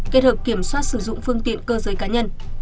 kết hợp kiểm soát sử dụng phương tiện cơ giới cá nhân